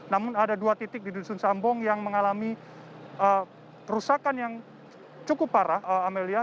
namun ada dua titik di dusun sambong yang mengalami kerusakan yang cukup parah amelia